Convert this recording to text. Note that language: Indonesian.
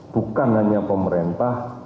bukan hanya pemerintah